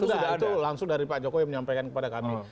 itu sudah itu langsung dari pak jokowi menyampaikan kepada kami